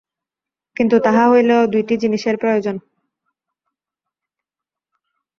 কিন্তু তাহা হইলেও দুইটি জিনিষের প্রয়োজন।